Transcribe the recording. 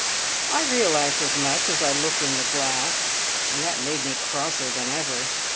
I realised as much as I looked in the glass, and that made me crosser than ever.